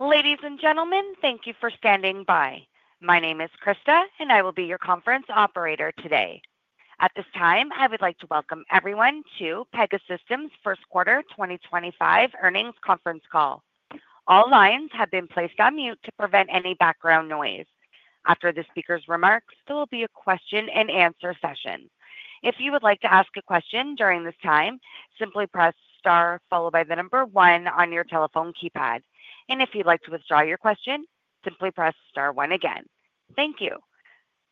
Ladies and gentlemen, thank you for standing by. My name is Krista, and I will be your conference operator today. At this time, I would like to welcome everyone to Pegasystems' first quarter 2025 earnings conference call. All lines have been placed on mute to prevent any background noise. After the speaker's remarks, there will be a question-and-answer session. If you would like to ask a question during this time, simply press star followed by the number one on your telephone keypad. If you'd like to withdraw your question, simply press star one again. Thank you.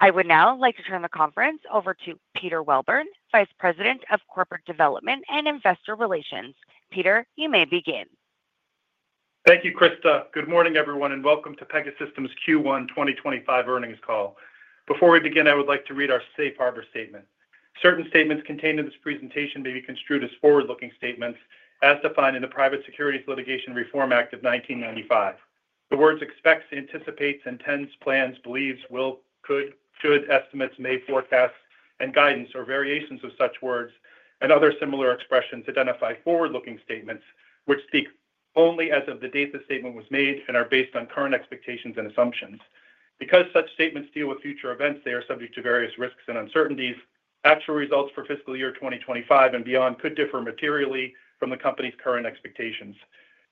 I would now like to turn the conference over to Peter Welburn, Vice President of Corporate Development and Investor Relations. Peter, you may begin. Thank you, Krista. Good morning, everyone, and welcome to Pegasystems' Q1 2025 earnings call. Before we begin, I would like to read our Safe Harbor Statement. Certain statements contained in this presentation may be construed as forward-looking statements, as defined in the Private Securities Litigation Reform Act of 1995. The words expects, anticipates, intends, plans, believes, will, could, should, estimates, may, forecasts, and guidance, or variations of such words, and other similar expressions identify forward-looking statements which speak only as of the date the statement was made and are based on current expectations and assumptions. Because such statements deal with future events, they are subject to various risks and uncertainties. Actual results for fiscal year 2025 and beyond could differ materially from the company's current expectations.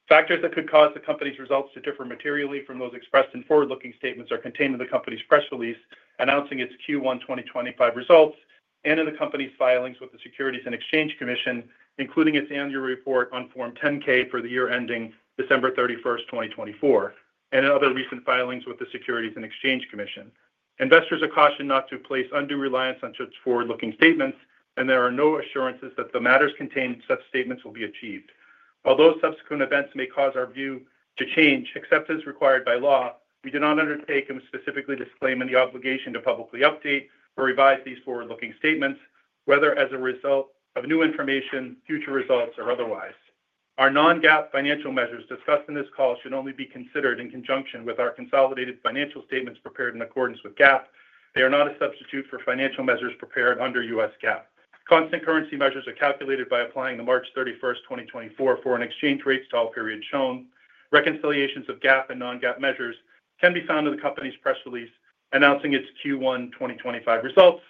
Factors that could cause the company's results to differ materially from those expressed in forward-looking statements are contained in the company's press release announcing its Q1 2025 results and in the company's filings with the Securities and Exchange Commission, including its annual report on Form 10-K for the year ending December 31, 2024, and in other recent filings with the Securities and Exchange Commission. Investors are cautioned not to place undue reliance on such forward-looking statements, and there are no assurances that the matters contained in such statements will be achieved. Although subsequent events may cause our view to change, except as required by law, we do not undertake and specifically disclaim any obligation to publicly update or revise these forward-looking statements, whether as a result of new information, future results, or otherwise. Our non-GAAP financial measures discussed in this call should only be considered in conjunction with our consolidated financial statements prepared in accordance with GAAP. They are not a substitute for financial measures prepared under U.S. GAAP. Constant currency measures are calculated by applying the March 31, 2024, foreign exchange rates to all periods shown. Reconciliations of GAAP and non-GAAP measures can be found in the company's press release announcing its Q1 2025 results.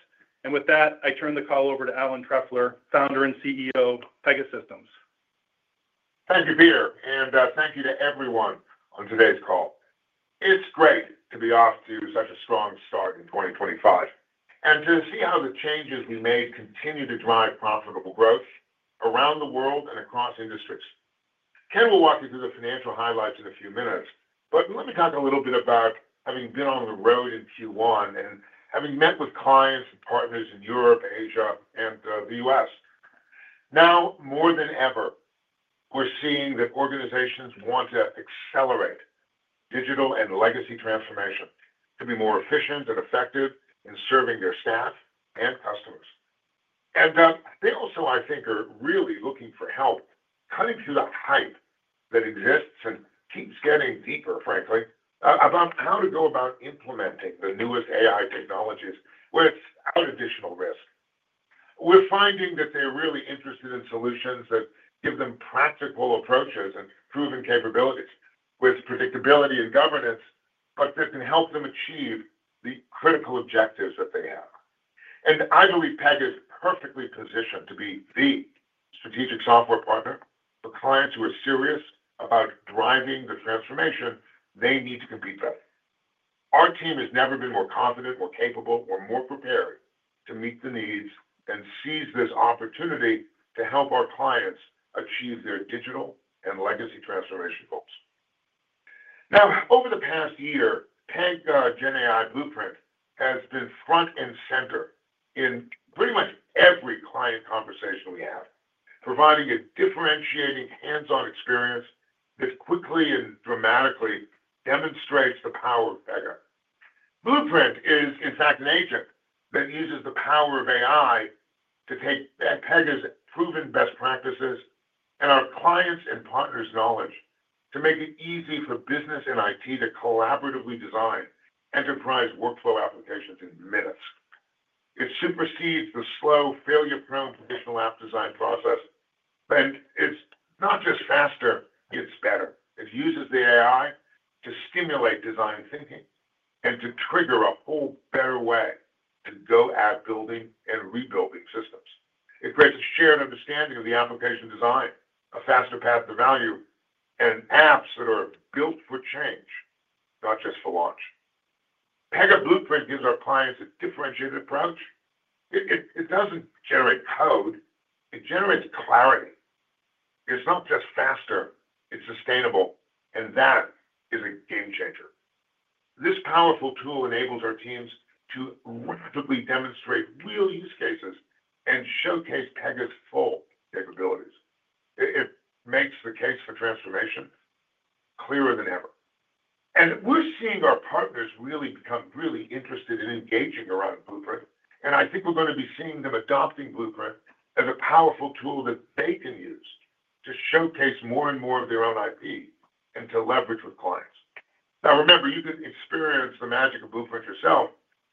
With that, I turn the call over to Alan Trefler, Founder and CEO of Pegasystems. Thank you, Peter. Thank you to everyone on today's call. It's great to be off to such a strong start in 2025 and to see how the changes we made continue to drive profitable growth around the world and across industries. Ken will walk you through the financial highlights in a few minutes, but let me talk a little bit about having been on the road in Q1 and having met with clients and partners in Europe, Asia, and the U.S. Now, more than ever, we're seeing that organizations want to accelerate digital and legacy transformation to be more efficient and effective in serving their staff and customers. They also, I think, are really looking for help cutting through the hype that exists and keeps getting deeper, frankly, about how to go about implementing the newest AI technologies without additional risk. We're finding that they're really interested in solutions that give them practical approaches and proven capabilities with predictability and governance, but that can help them achieve the critical objectives that they have. I believe Pega is perfectly positioned to be the strategic software partner for clients who are serious about driving the transformation they need to compete with. Our team has never been more confident, more capable, or more prepared to meet the needs and seize this opportunity to help our clients achieve their digital and legacy transformation goals. Over the past year, Pega GenAI Blueprint has been front and center in pretty much every client conversation we have, providing a differentiating hands-on experience that quickly and dramatically demonstrates the power of Pega. Blueprint is, in fact, an agent that uses the power of AI to take Pega's proven best practices and our clients' and partners' knowledge to make it easy for business and IT to collaboratively design enterprise workflow applications in minutes. It supersedes the slow, failure-prone traditional app design process, and it's not just faster, it's better. It uses the AI to stimulate design thinking and to trigger a whole better way to go at building and rebuilding systems. It creates a shared understanding of the application design, a faster path to value, and apps that are built for change, not just for launch. Pega Blueprint gives our clients a differentiated approach. It doesn't generate code. It generates clarity. It's not just faster. It's sustainable. That is a game changer. This powerful tool enables our teams to rapidly demonstrate real use cases and showcase Pega's full capabilities. It makes the case for transformation clearer than ever. We're seeing our partners really become really interested in engaging around Blueprint. I think we're going to be seeing them adopting Blueprint as a powerful tool that they can use to showcase more and more of their own IP and to leverage with clients. Now, remember, you can experience the magic of Blueprint yourself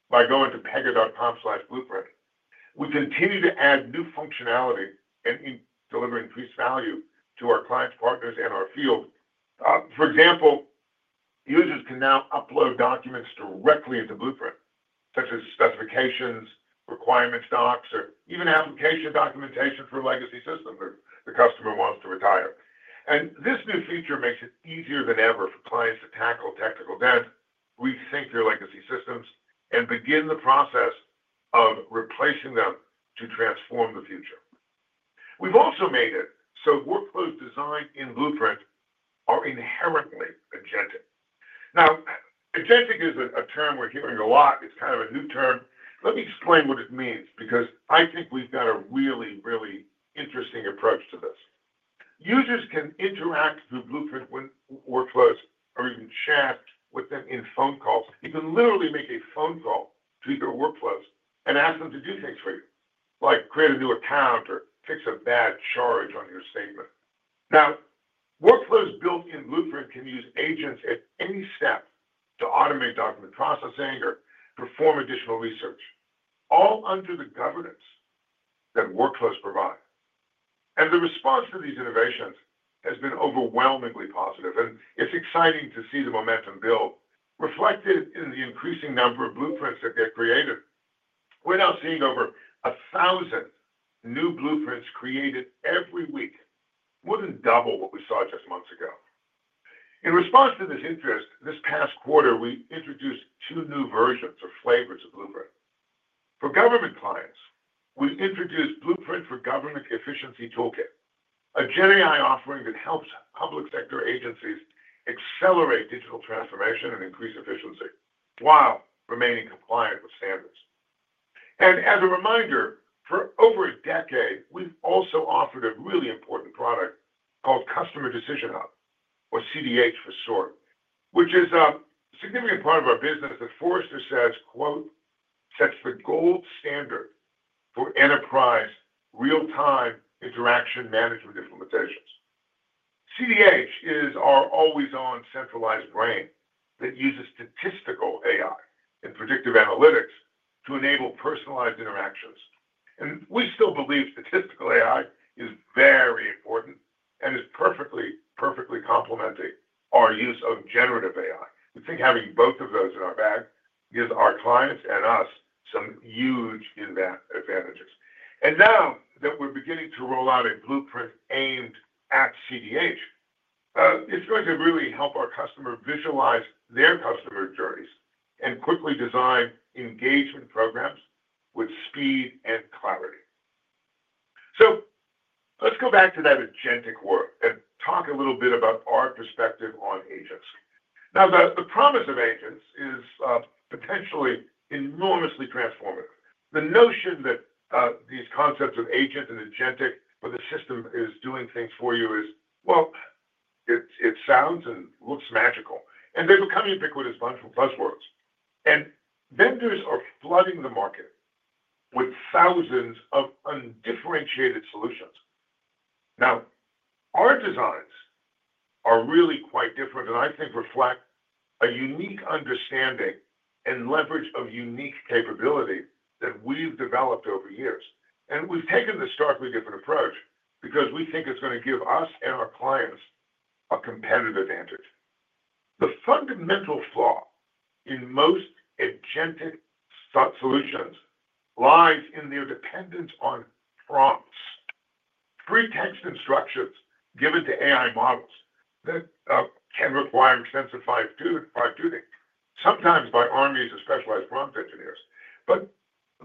by going to pega.com/blueprint. We continue to add new functionality and deliver increased value to our clients, partners, and our field. For example, users can now upload documents directly into Blueprint, such as specifications, requirement docs, or even application documentation for a legacy system if the customer wants to retire. This new feature makes it easier than ever for clients to tackle technical debt, rethink their legacy systems, and begin the process of replacing them to transform the future. We've also made it so workflows designed in Blueprint are inherently agentic. Now, agentic is a term we're hearing a lot. It's kind of a new term. Let me explain what it means because I think we've got a really, really interesting approach to this. Users can interact through Blueprint when workflows are even shared with them in phone calls. You can literally make a phone call to your workflows and ask them to do things for you, like create a new account or fix a bad charge on your statement. Now, workflows built in Blueprint can use agents at any step to automate document processing or perform additional research, all under the governance that workflows provide. The response to these innovations has been overwhelmingly positive. It's exciting to see the momentum build, reflected in the increasing number of blueprints that get created. We're now seeing over 1,000 new blueprints created every week, more than double what we saw just months ago. In response to this interest, this past quarter, we introduced two new versions or flavors of Blueprint. For government clients, we introduced Blueprint for Government Efficiency Toolkit, a GenAI offering that helps public sector agencies accelerate digital transformation and increase efficiency while remaining compliant with standards. As a reminder, for over a decade, we've also offered a really important product called Customer Decision Hub, or CDH for short, which is a significant part of our business that Forrester says, quote, "sets the gold standard for enterprise real-time interaction management implementations." CDH is our always-on centralized brain that uses statistical AI and predictive analytics to enable personalized interactions. We still believe statistical AI is very important and is perfectly, perfectly complementing our use of generative AI. We think having both of those in our bag gives our clients and us some huge advantages. Now that we're beginning to roll out a blueprint aimed at CDH, it's going to really help our customer visualize their customer journeys and quickly design engagement programs with speed and clarity. Let's go back to that agentic work and talk a little bit about our perspective on agents. The promise of agents is potentially enormously transformative. The notion that these concepts of agent and agentic for the system is doing things for you is, well, it sounds and looks magical. They become ubiquitous buzzwords. Vendors are flooding the market with thousands of undifferentiated solutions. Our designs are really quite different, and I think reflect a unique understanding and leverage of unique capability that we've developed over years. We have taken the starkly different approach because we think it is going to give us and our clients a competitive advantage. The fundamental flaw in most agentic solutions lies in their dependence on prompts, free text instructions given to AI models that can require extensive fine-tuning, sometimes by armies of specialized prompt engineers.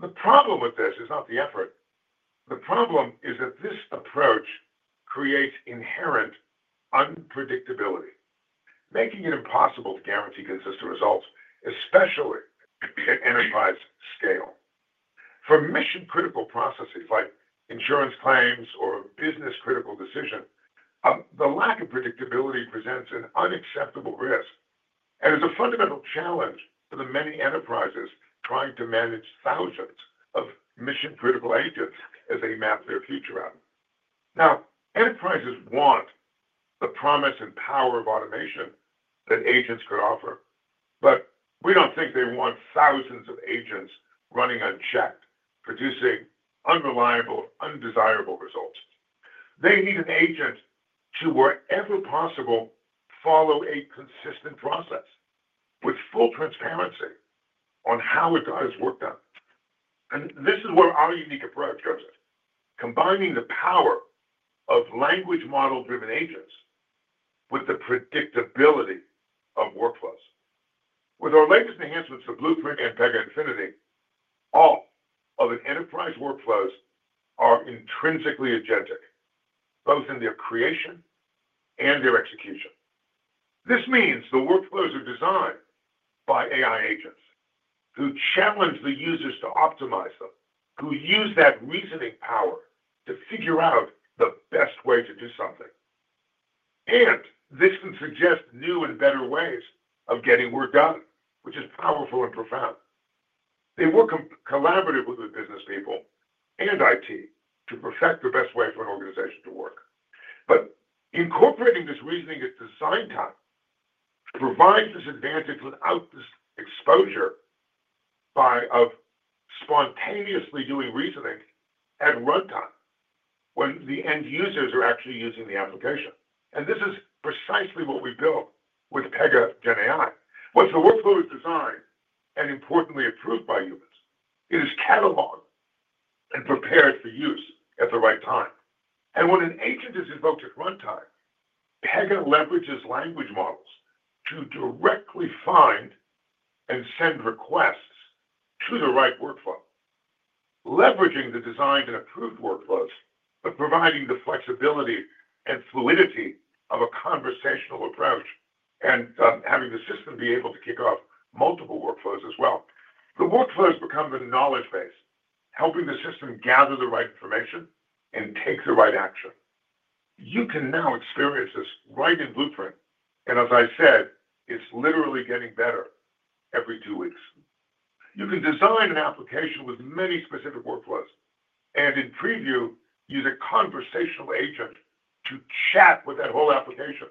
The problem with this is not the effort. The problem is that this approach creates inherent unpredictability, making it impossible to guarantee consistent results, especially at enterprise scale. For mission-critical processes like insurance claims or business-critical decisions, the lack of predictability presents an unacceptable risk and is a fundamental challenge for the many enterprises trying to manage thousands of mission-critical agents as they map their future out. Enterprises want the promise and power of automation that agents could offer, but we do not think they want thousands of agents running unchecked, producing unreliable, undesirable results. They need an agent to, wherever possible, follow a consistent process with full transparency on how it got its work done. This is where our unique approach comes in, combining the power of language model-driven agents with the predictability of workflows. With our latest enhancements to Blueprint and Pega Infinity, all of the enterprise workflows are intrinsically agentic, both in their creation and their execution. This means the workflows are designed by AI agents who challenge the users to optimize them, who use that reasoning power to figure out the best way to do something. This can suggest new and better ways of getting work done, which is powerful and profound. They work collaboratively with business people and IT to perfect the best way for an organization to work. Incorporating this reasoning at design time provides this advantage without this exposure of spontaneously doing reasoning at runtime when the end users are actually using the application. This is precisely what we built with Pega GenAI. Once the workflow is designed and, importantly, approved by humans, it is cataloged and prepared for use at the right time. When an agent is invoked at runtime, Pega leverages language models to directly find and send requests to the right workflow, leveraging the designed and approved workflows, but providing the flexibility and fluidity of a conversational approach and having the system be able to kick off multiple workflows as well. The workflows become the knowledge base, helping the system gather the right information and take the right action. You can now experience this right in Blueprint. As I said, it's literally getting better every two weeks. You can design an application with many specific workflows and, in preview, use a conversational agent to chat with that whole application,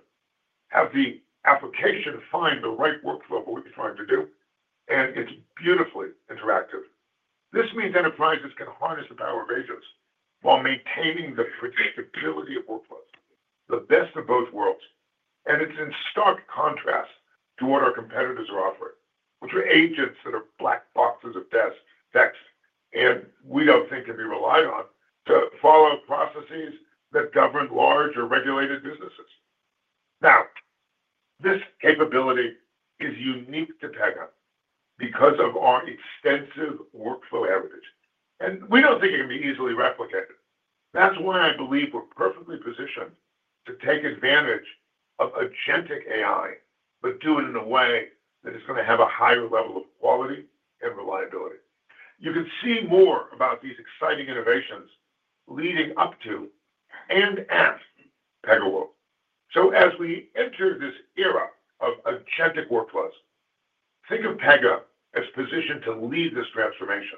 have the application find the right workflow for what you're trying to do, and it's beautifully interactive. This means enterprises can harness the power of agents while maintaining the predictability of workflows, the best of both worlds. It is in stark contrast to what our competitors are offering, which are agents that are black boxes of dense text, and we do not think can be relied on to follow processes that govern large or regulated businesses. Now, this capability is unique to Pega because of our extensive workflow heritage. We do not think it can be easily replicated. That is why I believe we are perfectly positioned to take advantage of agentic AI, but do it in a way that is going to have a higher level of quality and reliability. You can see more about these exciting innovations leading up to and at PegaWorld. As we enter this era of agentic workflows, think of Pega as positioned to lead this transformation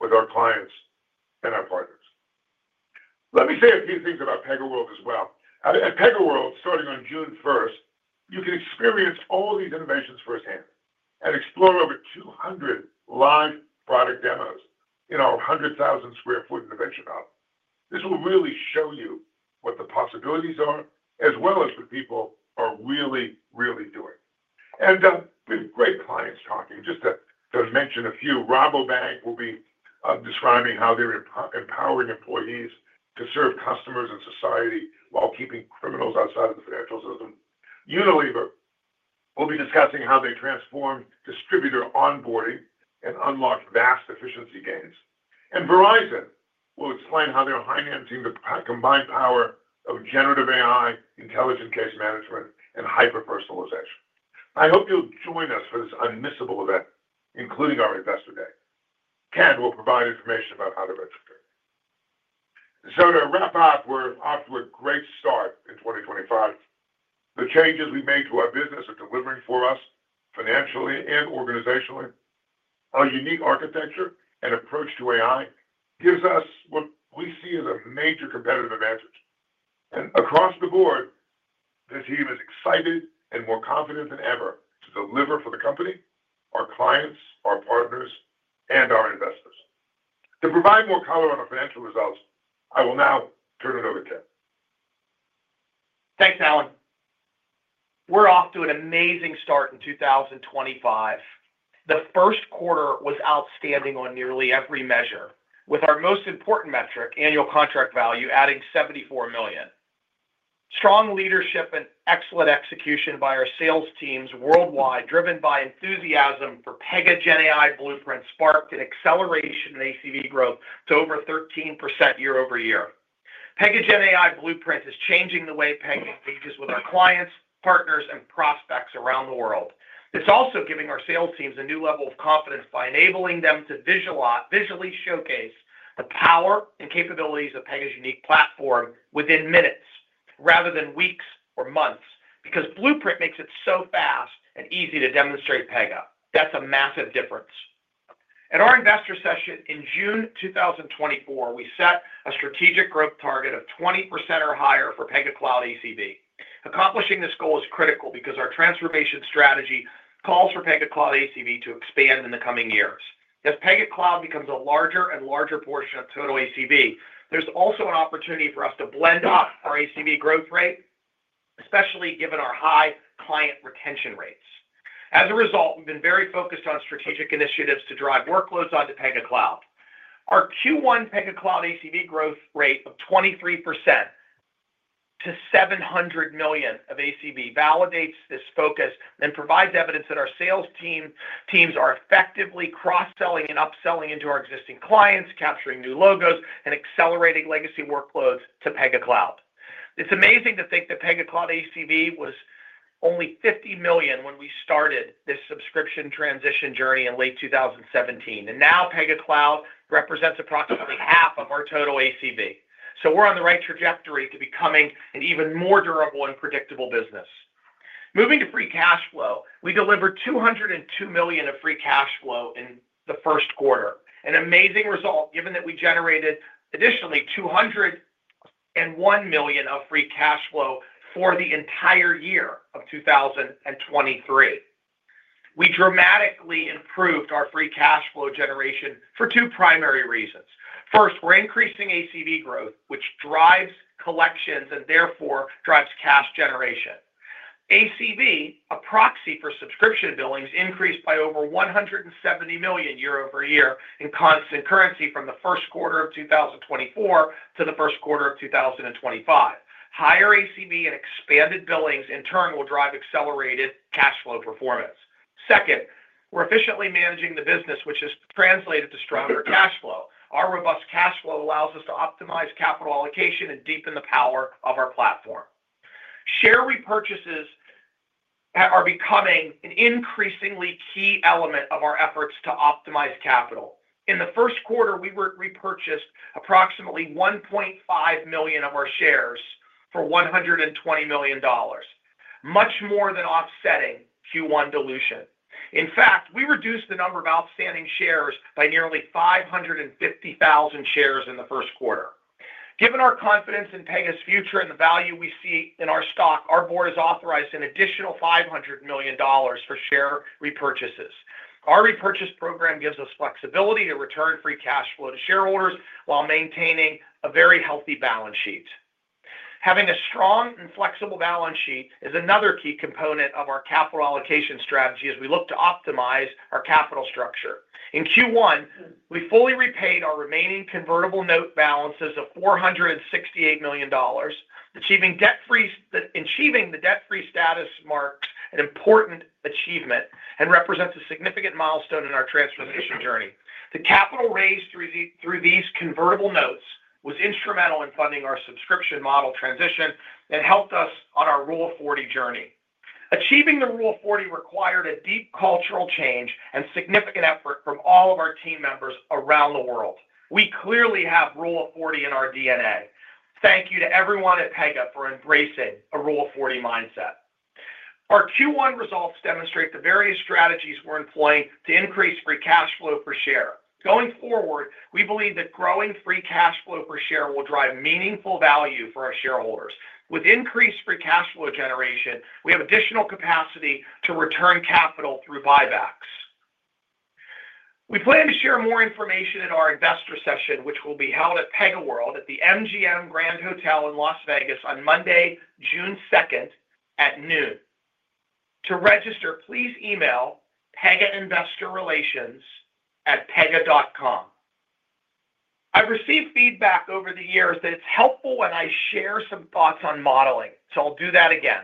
with our clients and our partners. Let me say a few things about PegaWorld as well. At PegaWorld, starting on June 1, you can experience all these innovations firsthand and explore over 200 live product demos in our 100,000 sq ft innovation hub. This will really show you what the possibilities are, as well as what people are really, really doing. We have great clients talking. Just to mention a few, Rabobank will be describing how they're empowering employees to serve customers and society while keeping criminals outside of the financial system. Unilever will be discussing how they transform distributor onboarding and unlock vast efficiency gains. Verizon will explain how they're harnessing the combined power of generative AI, intelligent case management, and hyper-personalization. I hope you'll join us for this unmissable event, including our Investor Day. Ken will provide information about how to register here. To wrap up, we're off to a great start in 2025. The changes we've made to our business are delivering for us financially and organizationally. Our unique architecture and approach to AI gives us what we see as a major competitive advantage. Across the board, the team is excited and more confident than ever to deliver for the company, our clients, our partners, and our investors. To provide more color on the financial results, I will now turn it over to Ken. Thanks, Alan. We're off to an amazing start in 2025. The first quarter was outstanding on nearly every measure, with our most important metric, annual contract value, adding $74 million. Strong leadership and excellent execution by our sales teams worldwide, driven by enthusiasm for Pega GenAI Blueprint, sparked an acceleration in ACV growth to over 13% year over year. Pega GenAI Blueprint is changing the way Pega engages with our clients, partners, and prospects around the world. It's also giving our sales teams a new level of confidence by enabling them to visually showcase the power and capabilities of Pega's unique platform within minutes, rather than weeks or months, because Blueprint makes it so fast and easy to demonstrate Pega. That's a massive difference. At our investor session in June 2024, we set a strategic growth target of 20% or higher for Pega Cloud ACV. Accomplishing this goal is critical because our transformation strategy calls for Pega Cloud ACV to expand in the coming years. As Pega Cloud becomes a larger and larger portion of total ACV, there's also an opportunity for us to blend up our ACV growth rate, especially given our high client retention rates. As a result, we've been very focused on strategic initiatives to drive workloads onto Pega Cloud. Our Q1 Pega Cloud ACV growth rate of 23% to $700 million of ACV validates this focus and provides evidence that our sales teams are effectively cross-selling and upselling into our existing clients, capturing new logos, and accelerating legacy workloads to Pega Cloud. It's amazing to think that Pega Cloud ACV was only $50 million when we started this subscription transition journey in late 2017. Now Pega Cloud represents approximately half of our total ACV. We're on the right trajectory to becoming an even more durable and predictable business. Moving to free cash flow, we delivered $202 million of free cash flow in the first quarter, an amazing result given that we generated additionally $201 million of free cash flow for the entire year of 2023. We dramatically improved our free cash flow generation for two primary reasons. First, we're increasing ACV growth, which drives collections and therefore drives cash generation. ACV, a proxy for subscription billings, increased by over $170 million year over year in constant currency from the first quarter of 2024 to the first quarter of 2025. Higher ACV and expanded billings, in turn, will drive accelerated cash flow performance. Second, we're efficiently managing the business, which has translated to stronger cash flow. Our robust cash flow allows us to optimize capital allocation and deepen the power of our platform. Share repurchases are becoming an increasingly key element of our efforts to optimize capital. In the first quarter, we repurchased approximately 1.5 million of our shares for $120 million, much more than offsetting Q1 dilution. In fact, we reduced the number of outstanding shares by nearly 550,000 shares in the first quarter. Given our confidence in Pega's future and the value we see in our stock, our board has authorized an additional $500 million for share repurchases. Our repurchase program gives us flexibility to return free cash flow to shareholders while maintaining a very healthy balance sheet. Having a strong and flexible balance sheet is another key component of our capital allocation strategy as we look to optimize our capital structure. In Q1, we fully repaid our remaining convertible note balances of $468 million, achieving the debt-free status marked an important achievement and represents a significant milestone in our transformation journey. The capital raised through these convertible notes was instrumental in funding our subscription model transition and helped us on our Rule of 40 journey. Achieving the Rule of 40 required a deep cultural change and significant effort from all of our team members around the world. We clearly have Rule of 40 in our DNA. Thank you to everyone at Pega for embracing a Rule of 40 mindset. Our Q1 results demonstrate the various strategies we're employing to increase free cash flow per share. Going forward, we believe that growing free cash flow per share will drive meaningful value for our shareholders. With increased free cash flow generation, we have additional capacity to return capital through buybacks. We plan to share more information at our investor session, which will be held at PegaWorld at the MGM Grand Hotel in Las Vegas on Monday, June 2, at noon. To register, please email pegainvestorrelations@pega.com. I've received feedback over the years that it's helpful when I share some thoughts on modeling, so I'll do that again.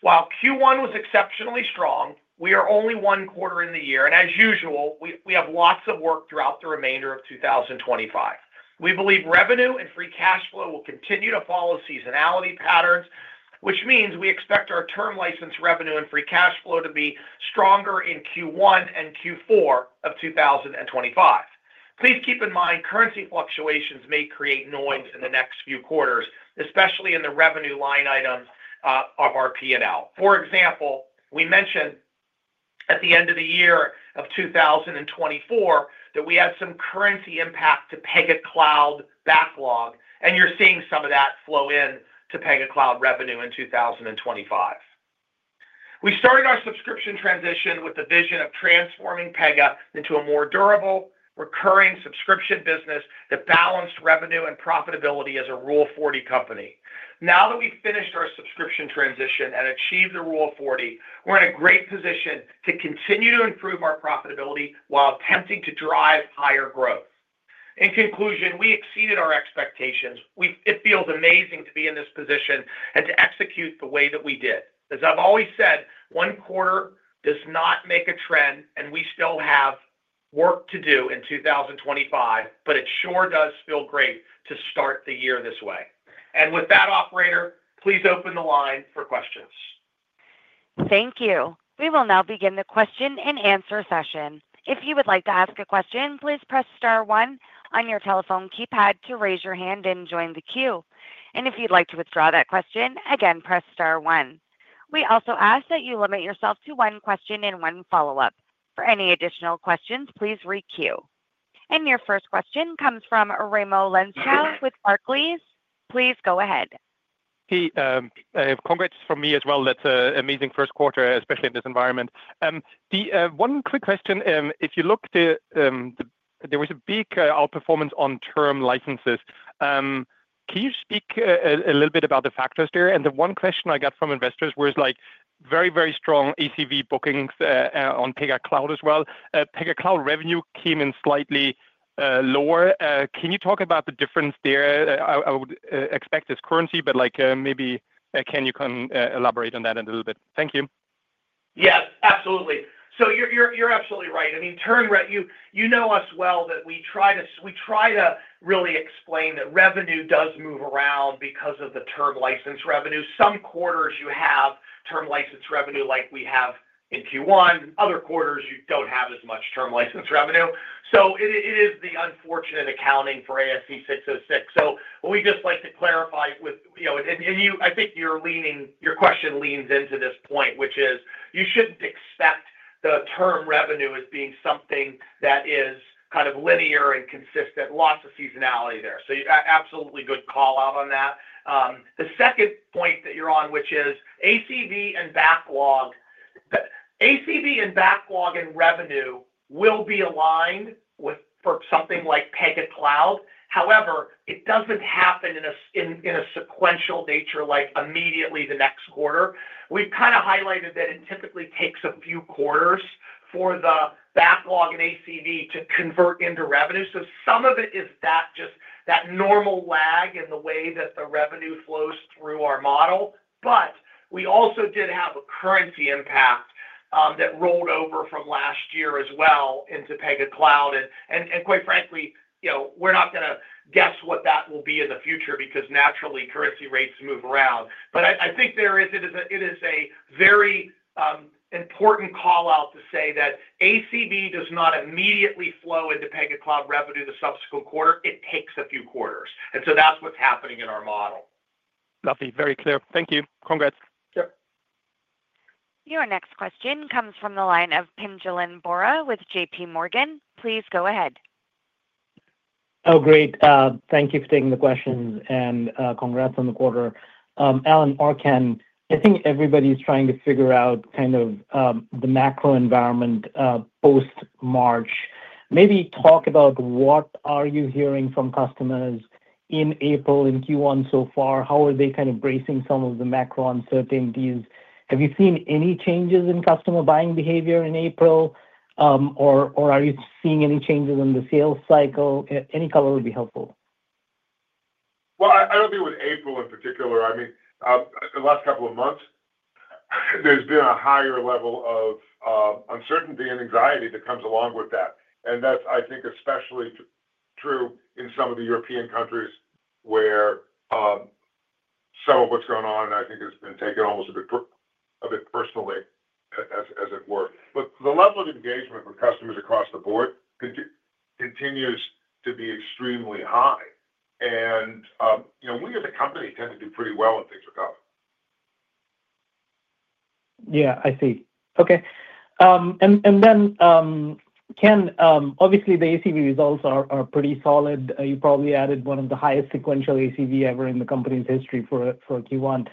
While Q1 was exceptionally strong, we are only one quarter in the year, and as usual, we have lots of work throughout the remainder of 2025. We believe revenue and free cash flow will continue to follow seasonality patterns, which means we expect our term license revenue and free cash flow to be stronger in Q1 and Q4 of 2025. Please keep in mind currency fluctuations may create noise in the next few quarters, especially in the revenue line item of our P&L. For example, we mentioned at the end of the year 2024 that we had some currency impact to Pega Cloud backlog, and you're seeing some of that flow into Pega Cloud revenue in 2025. We started our subscription transition with the vision of transforming Pega into a more durable, recurring subscription business that balanced revenue and profitability as a Rule of 40 company. Now that we've finished our subscription transition and achieved the Rule of 40, we're in a great position to continue to improve our profitability while attempting to drive higher growth. In conclusion, we exceeded our expectations. It feels amazing to be in this position and to execute the way that we did. As I've always said, one quarter does not make a trend, and we still have work to do in 2025, but it sure does feel great to start the year this way. With that, operator, please open the line for questions. Thank you. We will now begin the question and answer session. If you would like to ask a question, please press star one on your telephone keypad to raise your hand and join the queue. If you'd like to withdraw that question, again, press star one. We also ask that you limit yourself to one question and one follow-up. For any additional questions, please re-queue. Your first question comes from Raimo Lenschow with Barclays. Please go ahead. Hey, congrats from me as well. That's an amazing first quarter, especially in this environment. One quick question. If you look to, there was a big outperformance on term licenses. Can you speak a little bit about the factors there? The one question I got from investors was very, very strong ACV bookings on Pega Cloud as well. Pega Cloud revenue came in slightly lower. Can you talk about the difference there? I would expect it's currency, but maybe can you elaborate on that a little bit? Thank you. Yeah, absolutely. So you're absolutely right. I mean, you know us well that we try to really explain that revenue does move around because of the term license revenue. Some quarters you have term license revenue like we have in Q1. Other quarters you don't have as much term license revenue. It is the unfortunate accounting for ASC 606. We just like to clarify with, and I think your question leans into this point, which is you shouldn't expect the term revenue as being something that is kind of linear and consistent. Lots of seasonality there. Absolutely good call out on that. The second point that you're on, which is ACV and backlog, ACV and backlog and revenue will be aligned for something like Pega Cloud. However, it doesn't happen in a sequential nature like immediately the next quarter. We've kind of highlighted that it typically takes a few quarters for the backlog and ACV to convert into revenue. Some of it is that normal lag in the way that the revenue flows through our model. We also did have a currency impact that rolled over from last year as well into Pega Cloud. Quite frankly, we're not going to guess what that will be in the future because naturally currency rates move around. I think it is a very important call out to say that ACV does not immediately flow into Pega Cloud revenue the subsequent quarter. It takes a few quarters. That is what is happening in our model. That is very clear. Thank you. Congrats. Your next question comes from the line of Pinjalim Bora with J.P. Morgan. Please go ahead. Oh, great. Thank you for taking the question and congrats on the quarter. Alan, or Ken, I think everybody is trying to figure out kind of the macro environment post-March. Maybe talk about what you are hearing from customers in April in Q1 so far. How are they kind of bracing some of the macro uncertainties? Have you seen any changes in customer buying behavior in April, or are you seeing any changes in the sales cycle? Any color would be helpful. I do not think with April in particular. I mean, the last couple of months, there has been a higher level of uncertainty and anxiety that comes along with that. That is, I think, especially true in some of the European countries where some of what is going on, I think, has been taken almost a bit personally, as it were. The level of engagement with customers across the board continues to be extremely high. We as a company tend to do pretty well when things are tough. Yeah, I see. Okay. Ken, obviously the ACV results are pretty solid. You probably added one of the highest sequential ACV ever in the company's history for Q1.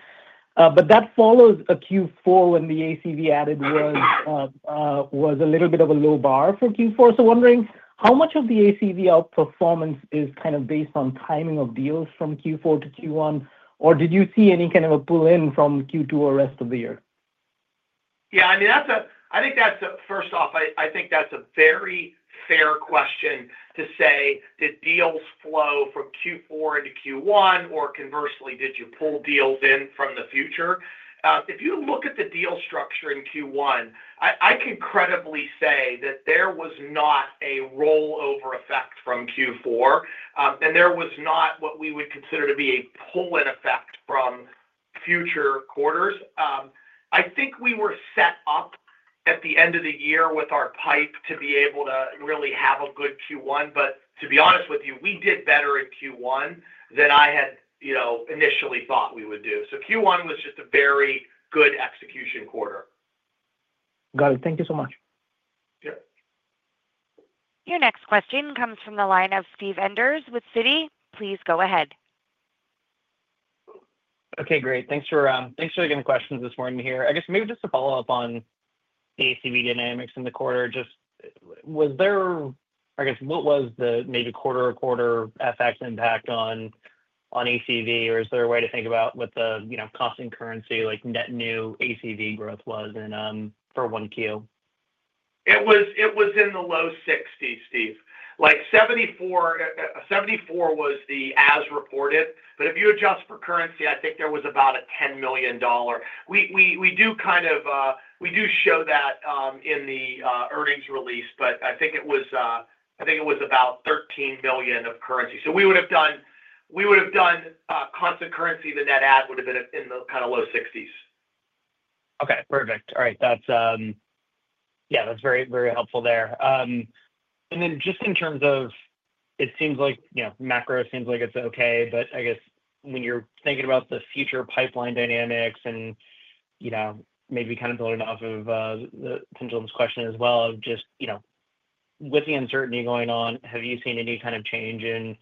That follows a Q4 when the ACV added was a little bit of a low bar for Q4. I am wondering how much of the ACV outperformance is kind of based on timing of deals from Q4 to Q1, or did you see any kind of a pull-in from Q2 or rest of the year? Yeah, I mean, I think that's, first off, I think that's a very fair question to say that deals flow from Q4 into Q1, or conversely, did you pull deals in from the future? If you look at the deal structure in Q1, I can credibly say that there was not a rollover effect from Q4, and there was not what we would consider to be a pull-in effect from future quarters. I think we were set up at the end of the year with our pipe to be able to really have a good Q1. To be honest with you, we did better in Q1 than I had initially thought we would do. Q1 was just a very good execution quarter. Got it. Thank you so much. Your next question comes from the line of Steve Enders with Citi. Please go ahead. Okay, great. Thanks for taking the questions this morning here. I guess maybe just to follow up on the ACV dynamics in the quarter, just was there, I guess, what was the maybe quarter-to-quarter FX impact on ACV, or is there a way to think about what the constant currency like net new ACV growth was for one Q? It was in the low 60, Steve. 74 was the as reported, but if you adjust for currency, I think there was about a $10 million. We do kind of show that in the earnings release, but I think it was I think it was about $13 million of currency. So we would have done constant currency, the net add would have been in the kind of low 60s. Okay, perfect. All right. Yeah, that's very, very helpful there. Just in terms of it seems like macro seems like it's okay, but I guess when you're thinking about the future pipeline dynamics and maybe kind of building off of Pinjalim's question as well, just with the uncertainty going on, have you seen any kind of change in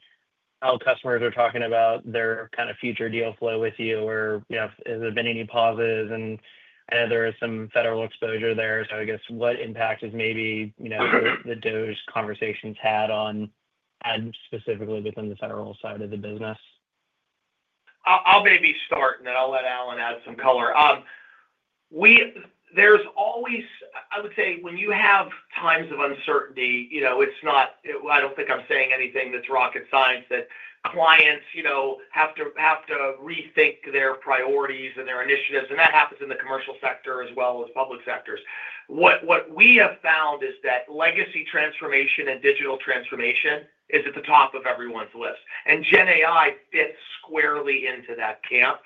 how customers are talking about their kind of future deal flow with you, or has there been any pauses? I know there is some federal exposure there. I guess what impact has maybe the DoD conversations had on add specifically within the federal side of the business? I'll maybe start, and then I'll let Alan add some color. There's always, I would say, when you have times of uncertainty, it's not I don't think I'm saying anything that's rocket science that clients have to rethink their priorities and their initiatives. That happens in the commercial sector as well as public sectors. What we have found is that legacy transformation and digital transformation is at the top of everyone's list. GenAI fits squarely into that camp.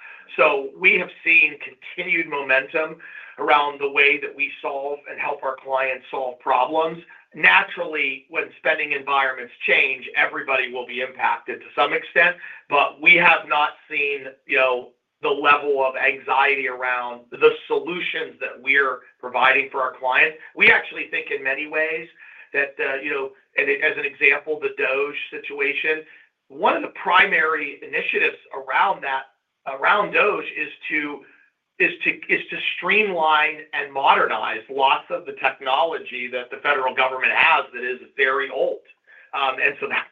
We have seen continued momentum around the way that we solve and help our clients solve problems. Naturally, when spending environments change, everybody will be impacted to some extent, but we have not seen the level of anxiety around the solutions that we're providing for our clients. We actually think in many ways that, and as an example, the DOGE situation, one of the primary initiatives around DOGE is to streamline and modernize lots of the technology that the federal government has that is very old.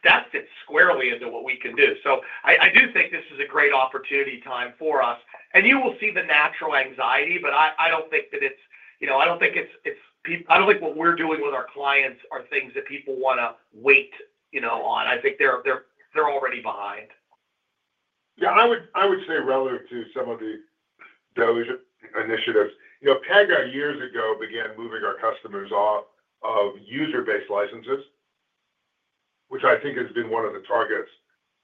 That fits squarely into what we can do. I do think this is a great opportunity time for us. You will see the natural anxiety, but I don't think that it's I don't think it's I don't think what we're doing with our clients are things that people want to wait on. I think they're already behind. Yeah, I would say relative to some of the DOGE initiatives, Pega years ago began moving our customers off of user-based licenses, which I think has been one of the targets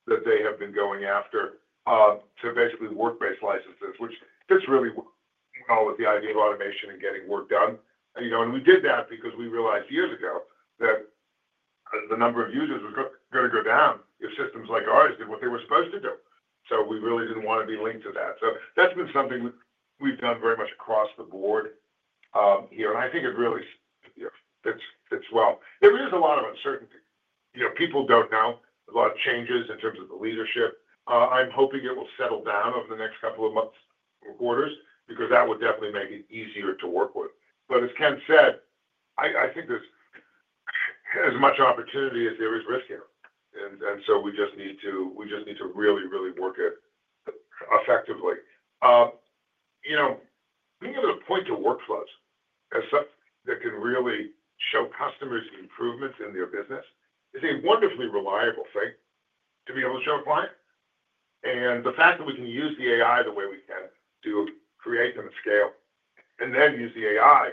that they have been going after to basically work-based licenses, which fits really well with the idea of automation and getting work done. We did that because we realized years ago that the number of users was going to go down if systems like ours did what they were supposed to do. We really didn't want to be linked to that. That's been something we've done very much across the board here. I think it really fits well. There is a lot of uncertainty. People don't know. A lot of changes in terms of the leadership. I'm hoping it will settle down over the next couple of months or quarters because that would definitely make it easier to work with. As Ken said, I think there's as much opportunity as there is risk here. We just need to really, really work it effectively. Being able to point to workflows as something that can really show customers improvements in their business is a wonderfully reliable thing to be able to show a client. The fact that we can use the AI the way we can to create them at scale and then use the AI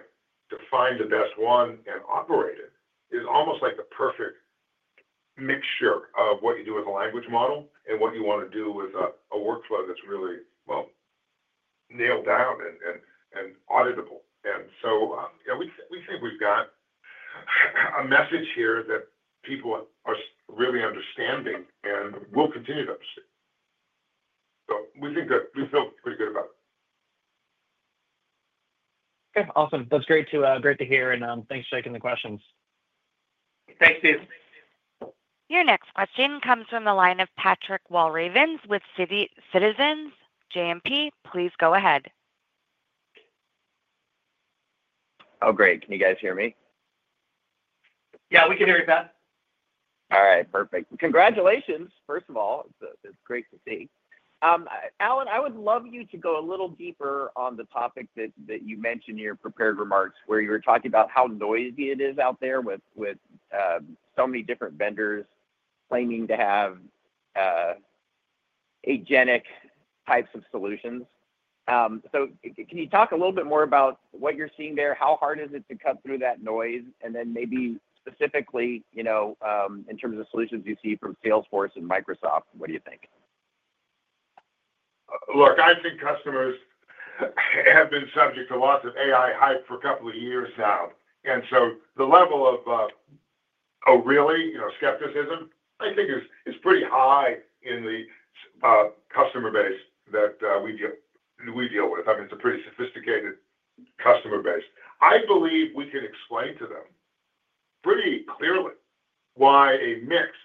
to find the best one and operate it is almost like the perfect mixture of what you do with a language model and what you want to do with a workflow that's really well nailed down and auditable. We think we've got a message here that people are really understanding and will continue to understand. We think that we feel pretty good about it. Okay, awesome. That's great to hear. Thanks for taking the questions. Thanks, Steve. Your next question comes from the line of Patrick Walravens with Citizens JMP. Please go ahead. Oh, great. Can you guys hear me? Yeah, we can hear you, Pat. All right, perfect. Congratulations, first of all. It's great to see. Alan, I would love you to go a little deeper on the topic that you mentioned in your prepared remarks where you were talking about how noisy it is out there with so many different vendors claiming to have agentic types of solutions. Can you talk a little bit more about what you're seeing there? How hard is it to cut through that noise? Maybe specifically in terms of solutions you see from Salesforce and Microsoft, what do you think? Look, I think customers have been subject to lots of AI hype for a couple of years now. The level of, "Oh, really?" skepticism, I think, is pretty high in the customer base that we deal with. I mean, it's a pretty sophisticated customer base. I believe we can explain to them pretty clearly why a mix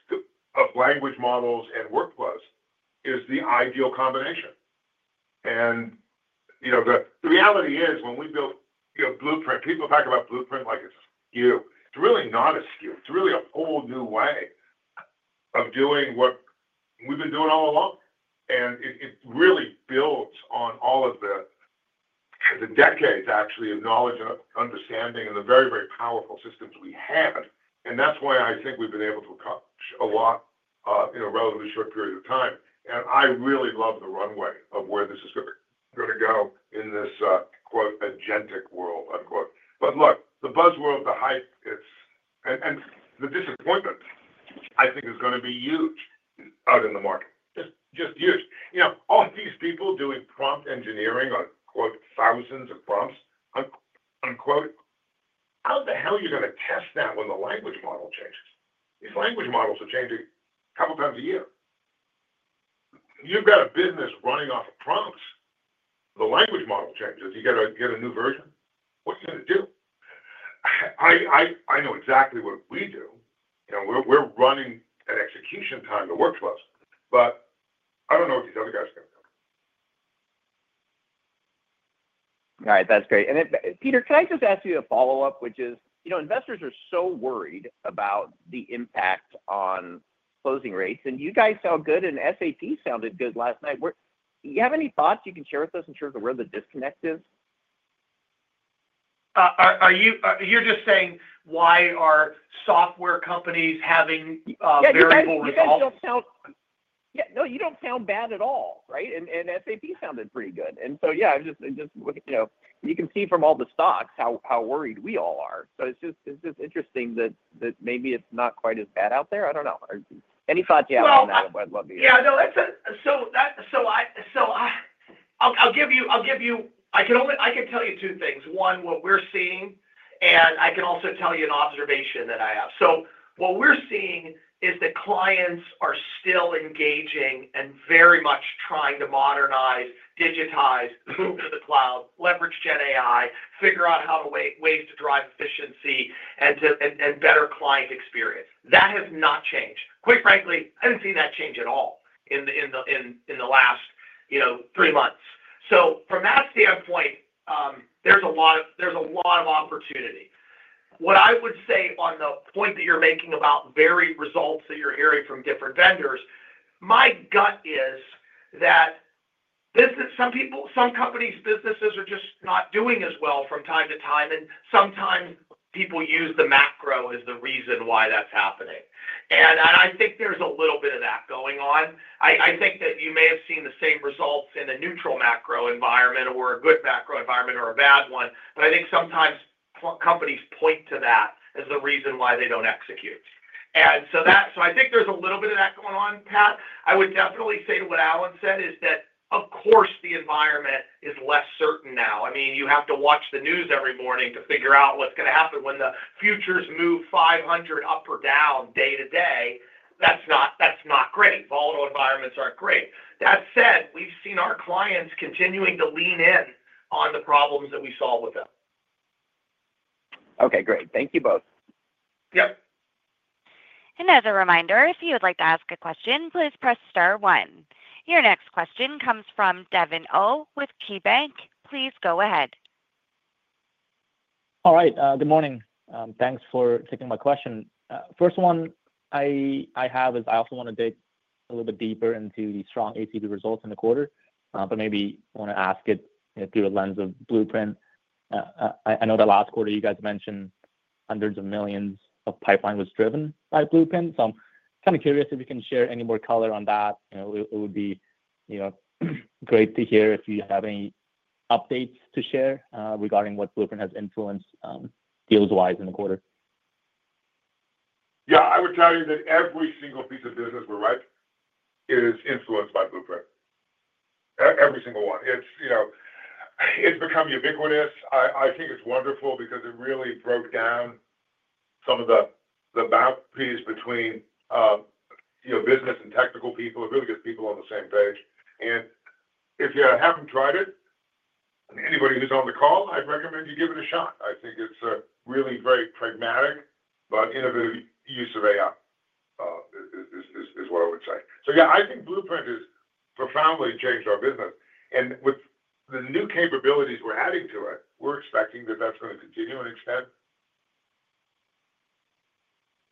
of language models and workflows is the ideal combination. The reality is when we build Blueprint, people talk about Blueprint like it's a SKU. It's really not a SKU. It's really a whole new way of doing what we've been doing all along. It really builds on all of the decades, actually, of knowledge and understanding and the very, very powerful systems we had. That's why I think we've been able to accomplish a lot in a relatively short period of time. I really love the runway of where this is going to go in this "agentic world." Look, the buzzword, the hype, and the disappointment, I think, is going to be huge out in the market. Just huge. All these people doing prompt engineering on "thousands of prompts," how the hell are you going to test that when the language model changes? These language models are changing a couple of times a year. You've got a business running off of prompts. The language model changes. You got to get a new version. What are you going to do? I know exactly what we do. We're running at execution time to workflows. I don't know what these other guys are going to do. All right, that's great. Peter, can I just ask you a follow-up, which is investors are so worried about the impact on closing rates, and you guys sound good, and SAP sounded good last night. Do you have any thoughts you can share with us in terms of where the disconnect is? You're just saying why are software companies having variable results? Yeah, no, you don't sound bad at all, right? SAP sounded pretty good. You can see from all the stocks how worried we all are. It's just interesting that maybe it's not quite as bad out there. I don't know. Any thoughts you have on that? I'd love to hear. Yeah, no, I'll give you, I can tell you two things. One, what we're seeing, and I can also tell you an observation that I have. What we're seeing is that clients are still engaging and very much trying to modernize, digitize, move to the cloud, leverage GenAI, figure out ways to drive efficiency and better client experience. That has not changed. Quite frankly, I didn't see that change at all in the last three months. From that standpoint, there's a lot of opportunity. What I would say on the point that you're making about varied results that you're hearing from different vendors, my gut is that some companies' businesses are just not doing as well from time to time, and sometimes people use the macro as the reason why that's happening. I think there's a little bit of that going on. I think that you may have seen the same results in a neutral macro environment or a good macro environment or a bad one. I think sometimes companies point to that as the reason why they don't execute. I think there's a little bit of that going on, Pat. I would definitely say to what Alan said is that, of course, the environment is less certain now. I mean, you have to watch the news every morning to figure out what's going to happen when the futures move 500 up or down day to day. That's not great. Volatile environments aren't great. That said, we've seen our clients continuing to lean in on the problems that we solve with them. Okay, great. Thank you both. Yep. As a reminder, if you would like to ask a question, please press star one. Your next question comes from Devin Au with KeyBanc. Please go ahead. All right. Good morning. Thanks for taking my question. First one I have is I also want to dig a little bit deeper into the strong ACV results in the quarter, but maybe want to ask it through a lens of Blueprint. I know the last quarter you guys mentioned hundreds of millions of pipeline was driven by Blueprint. I'm kind of curious if you can share any more color on that. It would be great to hear if you have any updates to share regarding what Blueprint has influenced deals-wise in the quarter. Yeah, I would tell you that every single piece of business we're writing is influenced by Blueprint. Every single one. It's become ubiquitous. I think it's wonderful because it really broke down some of the boundaries between business and technical people. It really gets people on the same page. If you haven't tried it, anybody who's on the call, I'd recommend you give it a shot. I think it's a really great, pragmatic, but innovative use of AI is what I would say. Yeah, I think Blueprint has profoundly changed our business. With the new capabilities we're adding to it, we're expecting that that's going to continue in extent.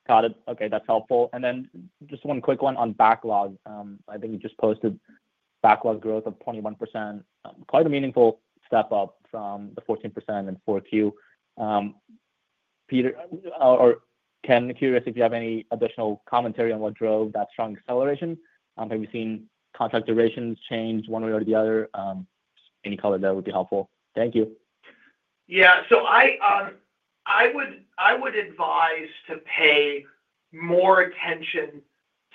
Got it. Okay, that's helpful. Just one quick one on backlog. I think you just posted backlog growth of 21%. Quite a meaningful step up from the 14% in Q4. Peter or Ken, curious if you have any additional commentary on what drove that strong acceleration. Have you seen contract durations change one way or the other? Any color there would be helpful. Thank you. I would advise to pay more attention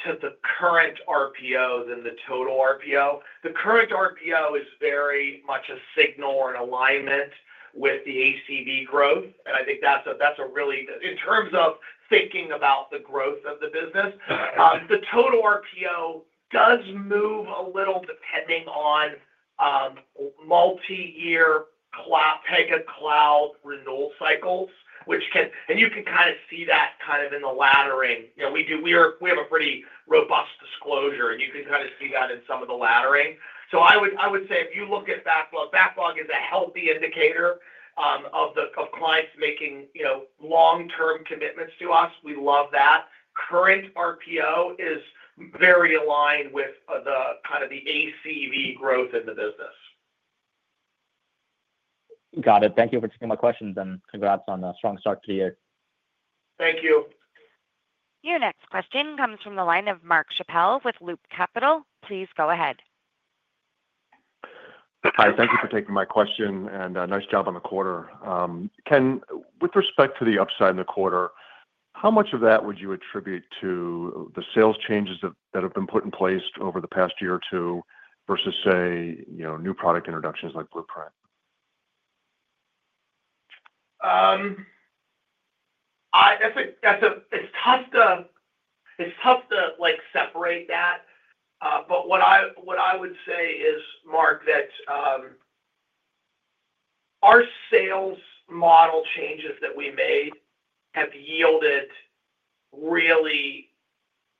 to the current RPO than the total RPO. The current RPO is very much a signal or an alignment with the ACV growth. I think that's really, in terms of thinking about the growth of the business, the total RPO does move a little depending on multi-year Pega Cloud renewal cycles, and you can kind of see that in the laddering. We have a pretty robust disclosure, and you can kind of see that in some of the laddering. I would say if you look at backlog, backlog is a healthy indicator of clients making long-term commitments to us. We love that. Current RPO is very aligned with kind of the ACV growth in the business. Got it. Thank you for taking my questions, and congrats on a strong start to the year. Thank you. Your next question comes from the line of Mark Schappel with Loop Capital. Please go ahead. Hi, thank you for taking my question, and nice job on the quarter. Ken, with respect to the upside in the quarter, how much of that would you attribute to the sales changes that have been put in place over the past year or two versus, say, new product introductions like Blueprint? It's tough to separate that. What I would say is, Mark, that our sales model changes that we made have yielded really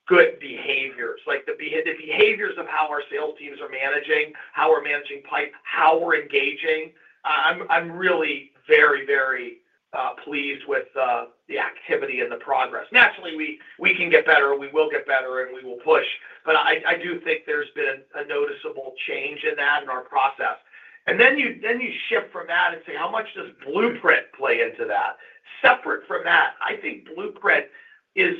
good behaviors. The behaviors of how our sales teams are managing, how we're managing pipe, how we're engaging. I'm really very, very pleased with the activity and the progress. Naturally, we can get better, and we will get better, and we will push. I do think there's been a noticeable change in that in our process. You shift from that and say, "How much does blueprint play into that?" Separate from that, I think blueprint has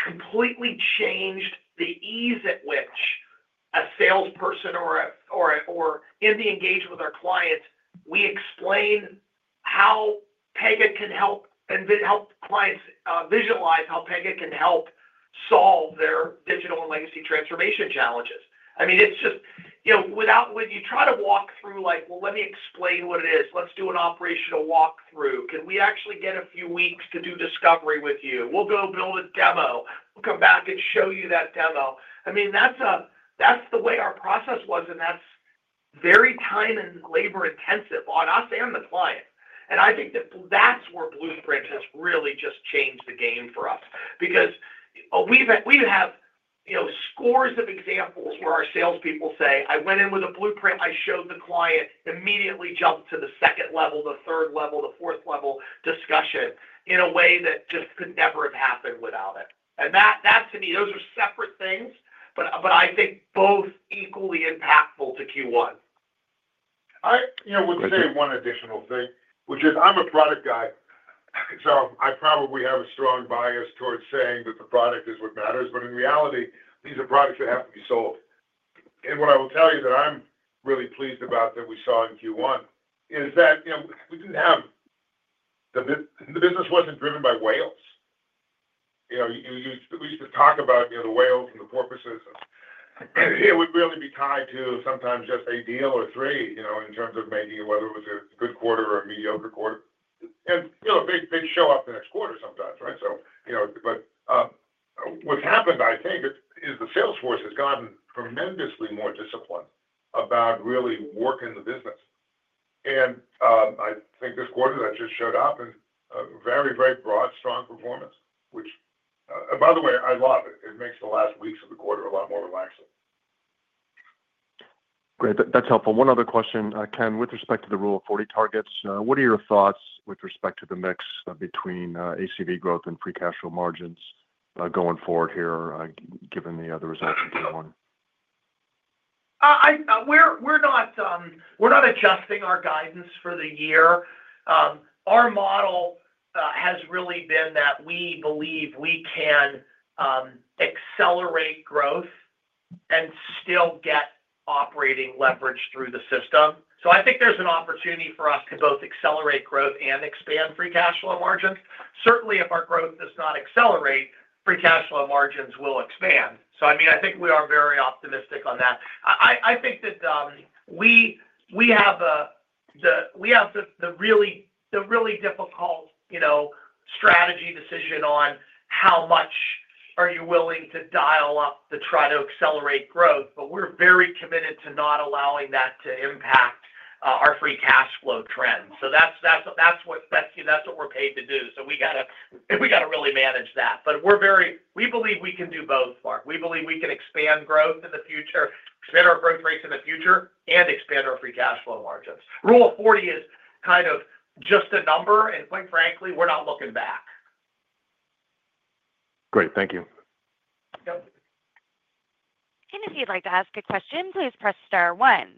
completely changed the ease at which a salesperson or in the engagement with our clients, we explain how Pega can help clients visualize how Pega can help solve their digital and legacy transformation challenges. I mean, it's just when you try to walk through like, "Well, let me explain what it is. Let's do an operational walkthrough. Can we actually get a few weeks to do discovery with you? We'll go build a demo. We'll come back and show you that demo. I mean, that's the way our process was, and that's very time and labor-intensive on us and the client. I think that that's where Blueprint has really just changed the game for us because we have scores of examples where our salespeople say, "I went in with a Blueprint. I showed the client, immediately jumped to the second level, the third level, the fourth level discussion in a way that just could never have happened without it." That, to me, those are separate things, but I think both equally impactful to Q1. I would say one additional thing, which is I'm a product guy, so I probably have a strong bias towards saying that the product is what matters. In reality, these are products that have to be sold. What I will tell you that I'm really pleased about that we saw in Q1 is that we didn't have the business wasn't driven by whales. We used to talk about the whales and the porpoises. It would really be tied to sometimes just a deal or three in terms of making it whether it was a good quarter or a mediocre quarter. They'd show up the next quarter sometimes, right? What's happened, I think, is the salesforce has gotten tremendously more disciplined about really working the business. I think this quarter, that just showed up in very, very broad, strong performance, which, by the way, I love it. It makes the last weeks of the quarter a lot more relaxing. Great. That's helpful. One other question, Ken, with respect to the rule of 40 targets, what are your thoughts with respect to the mix between ACV growth and free cash flow margins going forward here, given the other results in Q1? We're not adjusting our guidance for the year. Our model has really been that we believe we can accelerate growth and still get operating leverage through the system. I think there's an opportunity for us to both accelerate growth and expand free cash flow margins. Certainly, if our growth does not accelerate, free cash flow margins will expand. I mean, I think we are very optimistic on that. I think that we have the really difficult strategy decision on how much are you willing to dial up to try to accelerate growth, but we're very committed to not allowing that to impact our free cash flow trend. That's what we're paid to do. We got to really manage that. We believe we can do both, Mark. We believe we can expand growth in the future, expand our growth rates in the future, and expand our free cash flow margins. Rule of 40 is kind of just a number, and quite frankly, we're not looking back. Great. Thank you. Yep. If you'd like to ask a question, please press star one.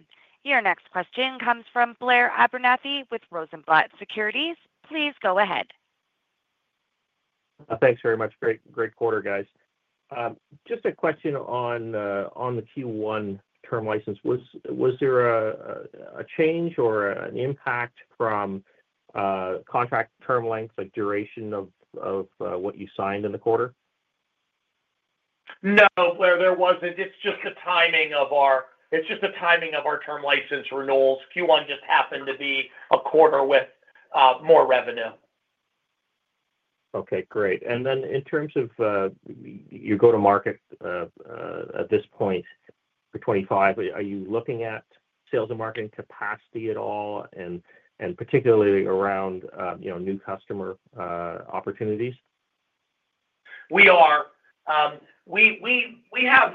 Your next question comes from Blair Abernathy with Rosenblatt Securities. Please go ahead. Thanks very much. Great quarter, guys. Just a question on the Q1 term license. Was there a change or an impact from contract term length, like duration of what you signed in the quarter? No, Blair, there was not. It is just the timing of our term license renewals. Q1 just happened to be a quarter with more revenue. Okay, great. In terms of your go-to-market at this point for 2025, are you looking at sales and marketing capacity at all, and particularly around new customer opportunities? We are. We have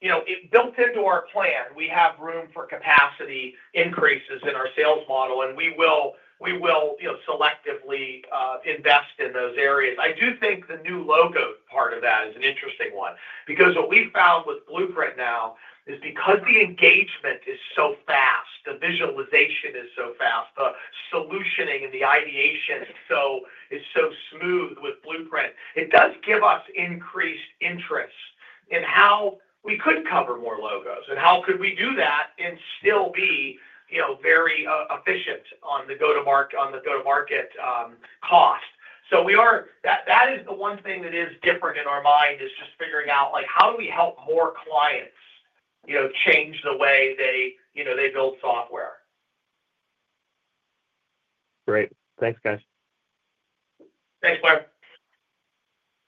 it built into our plan. We have room for capacity increases in our sales model, and we will selectively invest in those areas. I do think the new logo part of that is an interesting one because what we found with Blueprint now is because the engagement is so fast, the visualization is so fast, the solutioning and the ideation is so smooth with Blueprint, it does give us increased interest in how we could cover more logos and how could we do that and still be very efficient on the go-to-market cost. That is the one thing that is different in our mind is just figuring out how do we help more clients change the way they build software. Great. Thanks, guys. Thanks,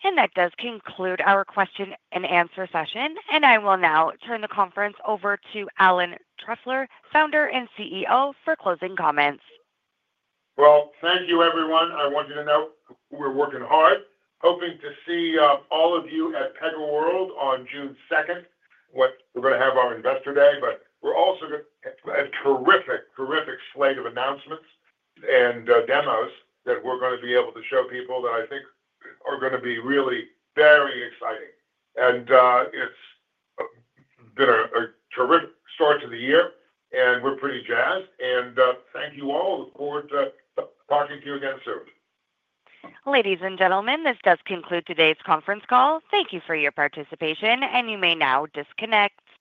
Blair. That does conclude our question and answer session. I will now turn the conference over to Alan Trefler, Founder and CEO, for closing comments. Thank you, everyone. I want you to know we're working hard. Hoping to see all of you at PegaWorld on June 2nd. We're going to have our Investor Day, but we're also going to have a terrific, terrific slate of announcements and demos that we're going to be able to show people that I think are going to be really very exciting. It's been a terrific start to the year, and we're pretty jazzed. Thank you all. Look forward to talking to you again soon. Ladies and gentlemen, this does conclude today's conference call. Thank you for your participation, and you may now disconnect.